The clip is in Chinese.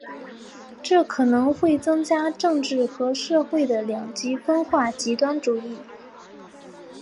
这可能会增加政治和社会的两极分化和极端主义。